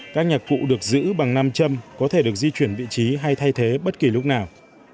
các nhạc cụ được giữ bằng nam châm có thể được di chuyển vị trí hay thay thế bất kỳ lúc nào